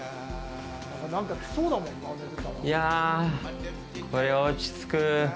いや、これ、落ち着く。